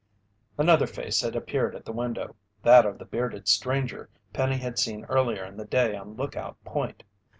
Another face had appeared at the window that of the bearded stranger Penny had seen earlier in the day on Lookout Point.